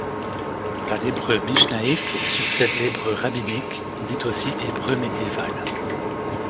À l'hébreu mishnaïque succède l'hébreu rabbinique dit aussi hébreu médiéval.